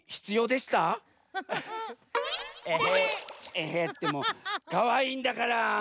「エヘッ」ってもうかわいいんだから！